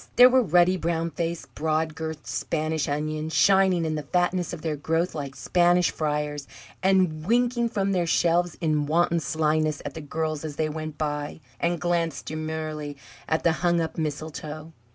There were ruddy, brown faced, broad girthed Spanish onions, shining in the fatness of their growth like Spanish friars, and winking, from their shelves, in wanton slyness at the girls as they went by, and glanced demurely at the hung up mistletoe.